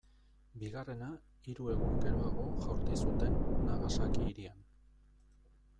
Bigarrena, hiru egun geroago jaurti zuten, Nagasaki hirian.